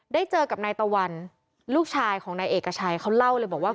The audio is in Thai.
ได้เจอกับนายตะวันลูกชายของนายเอกชัยเขาเล่าเลยบอกว่า